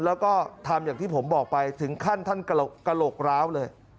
แล้วก็ทำอย่างที่ผมบอกไปถึงขั้นท่านกระโหลกร้าวเลย